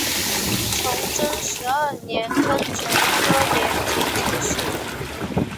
崇祯十二年庚辰科联捷进士。